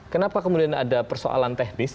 kenapa kemudian ada persoalan teknis